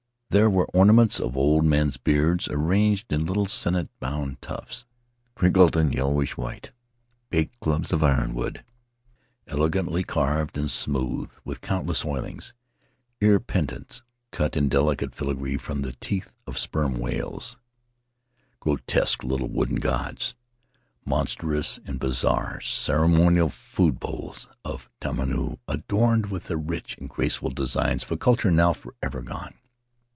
There were ornaments of old men's beards, arranged in little sennit bound tufts, crinkled and yellowish white; beaked clubs of ironwood, elegantly carved and smooth with countless oilings; ear pendants cut in delicate filigree from the teeth of sperm whales; grotesque little wooden gods, monstrous and bizarre; ceremonial food bowls of Tamanu, adorned with the rich and graceful designs of a culture now forever gone.